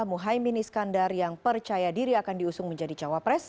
muhaymin iskandar yang percaya diri akan diusung menjadi cawapres